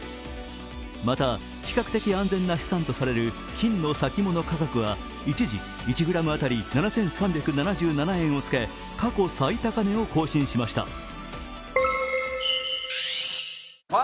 また、比較的安全な資産とされる金の先物価格は一時１ｇ当たり７３７７円をつけ過去最高値を更新しました。